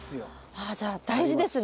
ああじゃあ大事ですね。